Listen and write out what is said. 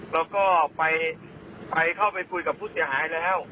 แล้วก็ไปเข้าไปคุยกับผู้เสียหายแล้ว